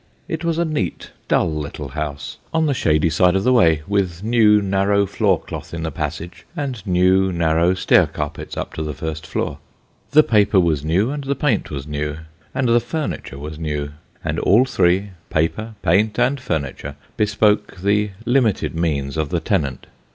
It was a neat, dull little house, on the shady side of the way, with new, narrow floorcloth in the passage, and new, narrow stair carpets up to the first floor. The paper was new, and the paint was new, and the furniture was new; and all three, paper, paint, and furniture, bespoke the limited means of the tenant.